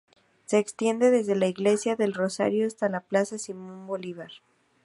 Se extiende desde la Iglesia del Rosario hasta la Plaza Simón Bolívar.